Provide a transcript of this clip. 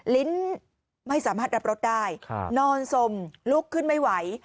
ลิ้นไม่สามารถรับรถได้นอนสมลุกขึ้นไม่ไหว